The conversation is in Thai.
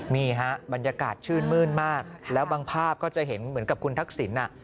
นี่ฮะบรรยากาศชื่นมื้นมากแล้วบางภาพก็จะเห็นเหมือนกับคุณทักษิณ